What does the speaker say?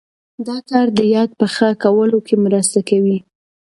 دا کار د یاد په ښه کولو کې مرسته کوي.